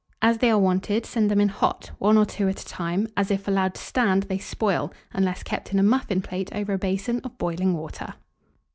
As they are wanted, send them in hot, one or two at a time, as, if allowed to stand, they spoil, unless kept in a muffin plate over a basin of boiling water.